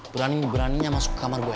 berani beraninya masuk ke kamar gue